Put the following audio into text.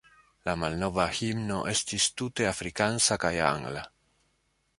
La malnova himno estis tute afrikansa kaj angla.